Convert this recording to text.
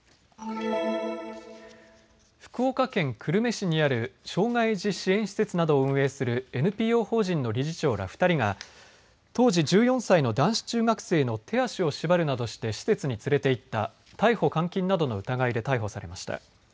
福岡県久留米市にある障害児支援施設などを運営するＮＰＯ法人の理事長ら２人が当時１４歳の男子中学生の手足を縛るなどして施設に連れて行った逮捕監禁などの疑いで逮捕されました。